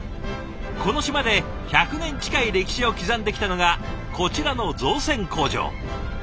この島で１００年近い歴史を刻んできたのがこちらの造船工場。